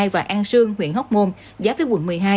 và an sương huyện hóc môn giá phía quận một mươi hai